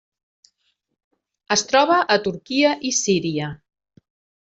Es troba a Turquia i Síria.